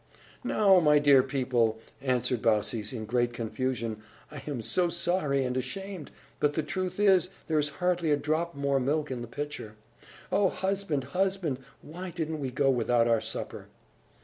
"Now, my dear people," answered Baucis, in great confusion, "I am so sorry and ashamed! But the truth is, there is hardly a drop more milk in the pitcher. O husband! husband! why didn't we go without our supper?"